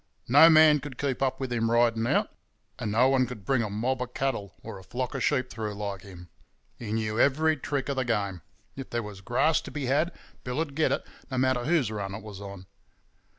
No man could keep up with him riding out, and no one could bring a mob of cattle or a flock of sheep through like him. He knew every trick of the game; if there was grass to be had Bill'd get it, no matter whose run it was on.